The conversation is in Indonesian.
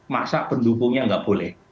masa pendukungnya nggak boleh